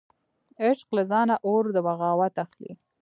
عشق له ځانه اور د بغاوت اخلي